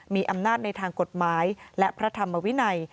มีอำนาจในทางกฎหมายและพระธรรมวินัย